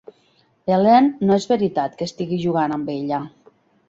Helene, no és veritat que estigui jugant amb ella.